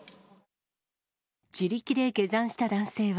自力で下山した男性は。